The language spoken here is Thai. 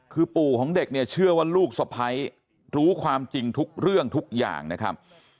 คือปู่ของเด็กเนี่ยเชื่อว่าลูกสะพ้ายรู้ความจริงทุกเรื่องทุกอย่างนะครับ